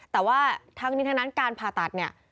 แต่ว่าทั้งนี้ทั้งนั้นการผ่าตัดเนี่ย